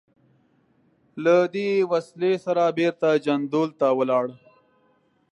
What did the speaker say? له دې وسلې سره بېرته جندول ته ولاړ.